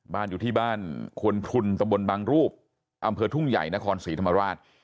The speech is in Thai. อยู่ที่บ้านควนพลุนตะบนบางรูปอำเภอทุ่งใหญ่นครศรีธรรมราช